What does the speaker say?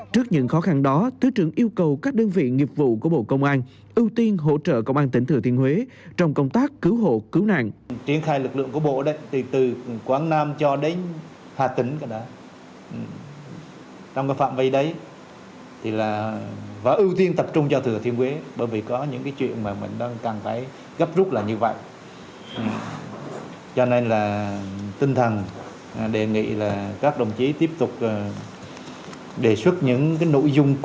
trước những khó khăn đó thứ trưởng yêu cầu các đơn vị nghiệp vụ của bộ công an ưu tiên hỗ trợ công an tỉnh thừa thiên huế trong công tác cứu hộ cứu nạn